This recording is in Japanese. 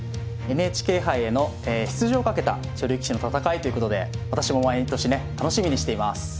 ＮＨＫ杯への出場をかけた女流棋士の戦いということで私も毎年ね楽しみにしています。